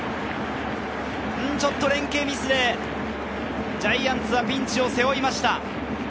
ちょっと連係ミスでジャイアンツがピンチを背負いました。